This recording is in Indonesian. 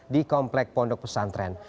di komplek pondok pesantren